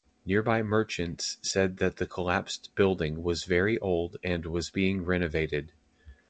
Nearby merchants said that the collapsed building was very old and was being renovated.